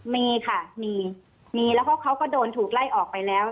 มีค่ะมีมีแล้วก็เขาก็โดนถูกไล่ออกไปแล้ว